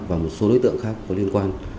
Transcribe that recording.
và một số đối tượng khác có liên quan